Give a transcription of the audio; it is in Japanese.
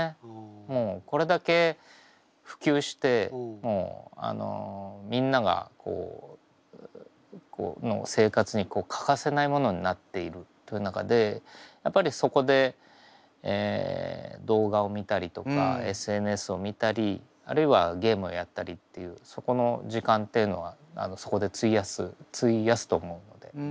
もうこれだけ普及してみんなの生活に欠かせないものになっているという中でやっぱりそこで動画を見たりとかＳＮＳを見たりあるいはゲームをやったりっていうそこの時間っていうのはそこで費やすと思うので。